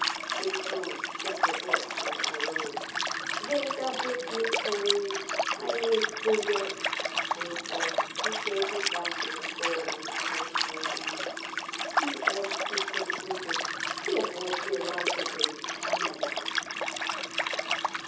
Miss Cohen shut her book and arose. "Wait a bit, Miss Cohen. I ain't through yet," Abe said. He tilted backward and forward on his toes for a moment. "P. S.," he concluded. "We hope you'll like it in Canada."